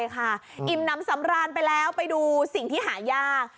อิ่มน้ำสำราญไปแล้วไปดูสิ่งที่หายาก